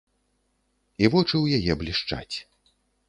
І вочы ў яе блішчаць.